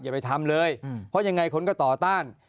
อย่าไปทำเลยเพราะยังไงคนก็ต่อต้าน